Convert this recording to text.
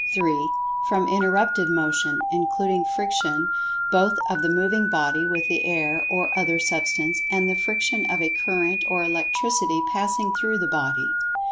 (3) From interrupted Motion, including friction both of the moving body with the air or other Substance, and the friction of a current of Electricity passing through the body.